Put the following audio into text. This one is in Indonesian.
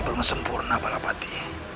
belum sempurna balap hati